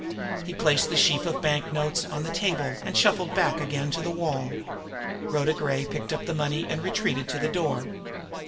He placed the sheaf of banknotes on the table, and shuffled back again to the wall. Rhoda Gray picked up the money, and retreated to the door.